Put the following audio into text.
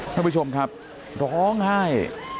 ท่านผู้ชมครับร้องไห้